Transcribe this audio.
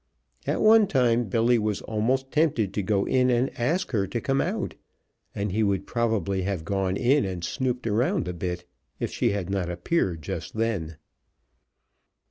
At one time Billy was almost tempted to go in and ask her to come out, and he would probably have gone in and snooped around a bit, if she had not appeared just then.